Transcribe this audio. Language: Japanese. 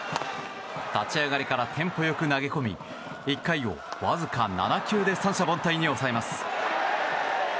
立ち上がりからテンポ良く投げ込み１回をわずか７球で三者凡退に抑えます。